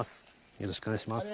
よろしくお願いします。